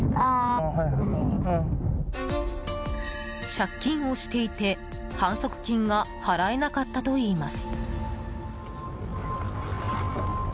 借金をしていて反則金が払えなかったといいます。